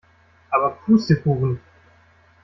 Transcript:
Aber Pustekuchen!